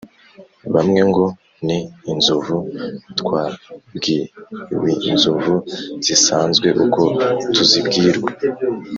Bamwe ngo: "Ni inzovu twabwiwInzovu zisanzwe ukwo tuzibwirwa